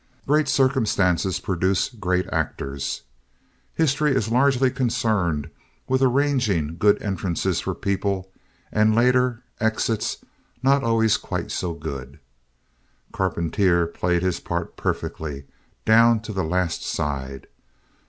Great circumstances produce great actors. History is largely concerned with arranging good entrances for people; and later exits not always quite so good. Carpentier played his part perfectly down to the last side.